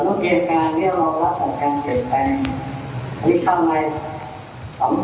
หมดวิธีภาวะสุดยาวอารมณ์ยืนแรงแต่ลงร้อยหรือง่วง